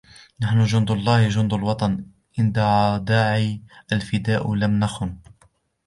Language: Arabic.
نحن جند الله جند الوطن إن دعا داعي الفداء لم نخن